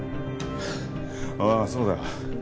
ああそうだ。